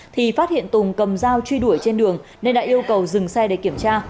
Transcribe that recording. thì phát hiện tùng cầm dao truy đuổi trên đường nên đã yêu cầu dừng xe để kiểm tra